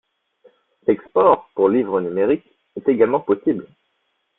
L'export pour livre numérique est également possible.